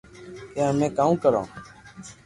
ڪي امي ڪاو ڪرو